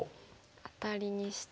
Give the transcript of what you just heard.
アタリにして。